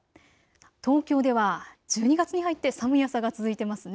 東京では１２月に入って寒い朝が続いていますね。